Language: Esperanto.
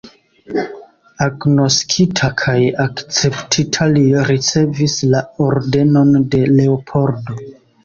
Agnoskita kaj akceptita, li ricevis la Ordenon de Leopoldo.